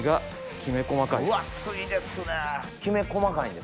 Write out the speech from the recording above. きめ細かいですね。